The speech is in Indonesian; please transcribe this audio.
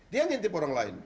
dia yang intip orang lain